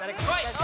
はい。